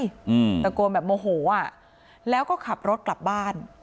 อืมตะโกนแบบโมโหอ่ะแล้วก็ขับรถกลับบ้าน